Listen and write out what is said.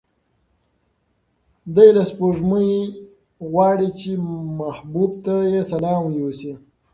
دی له سپوږمۍ غواړي چې محبوب ته یې سلام یوسي.